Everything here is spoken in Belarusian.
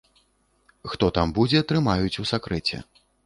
Хто там будзе, трымаюць у сакрэце.